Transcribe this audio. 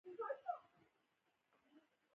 زه له ځانه تمه لرم چې تل پر خپل دغه دريځ ټينګ پاتې شم.